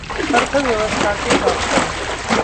अर्थव्यवस्था के डॉक्टर